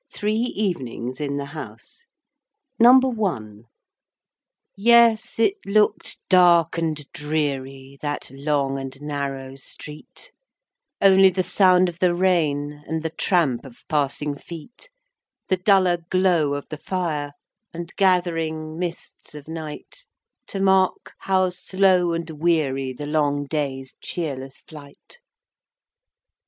THREE EVENINGS IN THE HOUSE NUMBER ONE. I. Yes, it look'd dark and dreary That long and narrow street: Only the sound of the rain, And the tramp of passing feet, The duller glow of the fire, And gathering mists of night To mark how slow and weary The long day's cheerless flight!